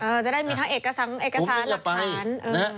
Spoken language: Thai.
จะได้มีทั้งเอกสารเอกสารหลักฐาน